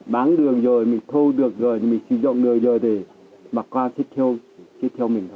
bán được rồi mình thu được rồi mình sử dụng được rồi thì bà con sẽ theo mình thôi